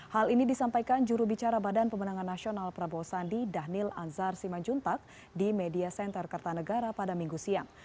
hal ini disampaikan jurubicara badan pemenangan nasional prabowo sandi dhanil anzar simanjuntak di media center kertanegara pada minggu siang